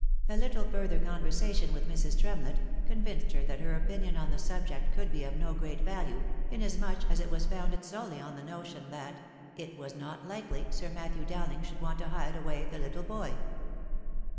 A little further conversation with Mrs. Tremlett, convinced her that her opinion on the subject could be of no great value, inasmuch as it was founded solely on the notion, that " it was not likely, Sir Matthew Dowling should want to hide away the little boy."